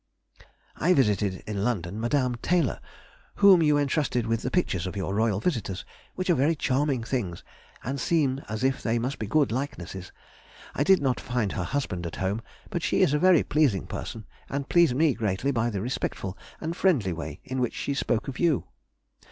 ... I visited in London Mde. Taylor (whom you entrusted with the pictures of your Royal visitors, which are very charming things, and seem as if they must be good likenesses). I did not find her husband at home, but she is a very pleasing person, and pleased me greatly by the respectful and friendly way in which she spoke of you.